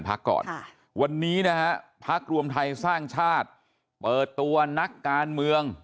พักก่อนวันนี้นะฮะพักรวมไทยสร้างชาติเปิดตัวนักการเมือง